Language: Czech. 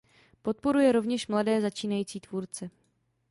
Podporuje rovněž mladé začínající tvůrce.